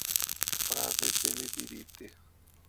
Prave, bele dirite!